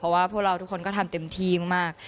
เพราะว่าพวกเราทุกคนก็ทำเต็มที่มาก